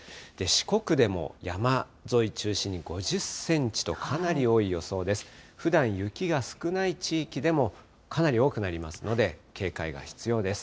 四国でも山沿い中心に５０センチとかなり多い予想です。